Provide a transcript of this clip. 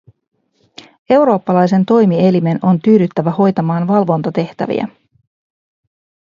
Eurooppalaisen toimielimen on tyydyttävä hoitamaan valvontatehtäviä.